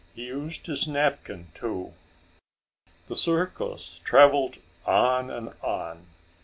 He used his napkin, too. The circus traveled on and on.